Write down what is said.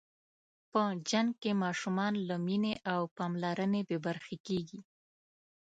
په جنګ کې ماشومان له مینې او پاملرنې بې برخې کېږي.